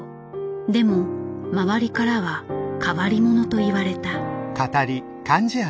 でも周りからは変わり者と言われた。